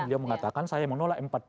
beliau mengatakan saya menolak m empat